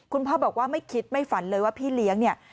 คุณพ่อบอกว่าไม่คิดไม่ฝันเลยว่าพี่เลี้ยงเนี่ย